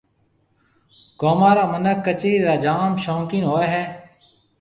گومون را مِنک ڪچيرِي را جام شوقين ھوئيَ ھيََََ